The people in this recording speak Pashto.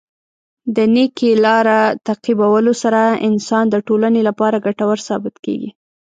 د نېکۍ لاره تعقیبولو سره انسان د ټولنې لپاره ګټور ثابت کیږي.